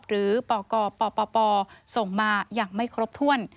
หรือปกปปส่งมาอย่างไม่ครบถ้วน